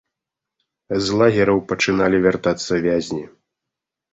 З лагераў пачыналі вяртацца вязні.